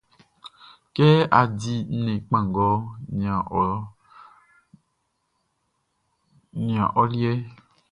Kɛ á dí nnɛn kpanngɔʼn i saʼn, nian ɔ liɛʼn.